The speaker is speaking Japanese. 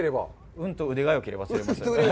運と腕がよければ、釣れます。